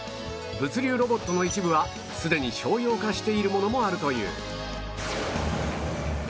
物流ロボットの一部はすでに商用化しているものもあるという